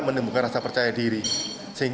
kegembiraan untuk berada di sini